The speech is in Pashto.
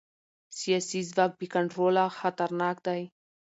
سیاسي ځواک بې کنټروله خطرناک دی